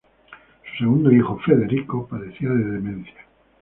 Su segundo hijo, Federico, padecía de demencia.